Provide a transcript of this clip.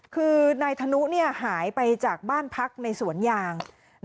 คือนายธนุหายไปจากบ้านพักในสวนยาง